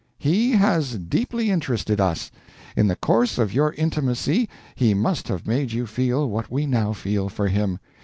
"He has deeply interested us. In the course of your intimacy he must have made you feel what we now feel for him.